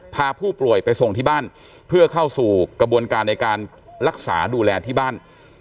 พาผู้ป่วยไปส่งที่บ้านเพื่อเข้าสู่กระบวนการในการรักษาดูแลที่บ้าน